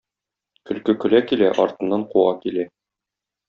Көлке көлә килә - артыннан куа килә.